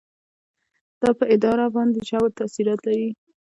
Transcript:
دا په اداره باندې ژور تاثیرات لري.